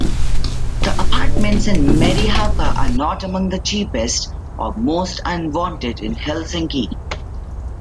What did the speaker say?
The apartments in Merihaka are not among the cheapest or most unwanted in Helsinki.